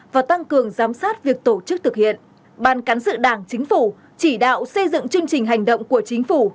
và tăng cường giám sát việc tổ chức thực hiện ban cán sự đảng chính phủ chỉ đạo xây dựng chương trình hành động của chính phủ